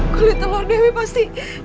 kulit telur dewi pasti